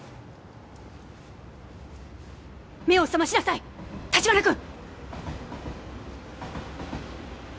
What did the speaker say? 目を覚ましなさい立花君！